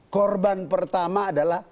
korban pertama adalah